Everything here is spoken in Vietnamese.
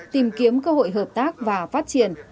tìm kiếm cơ hội hợp tác và phát triển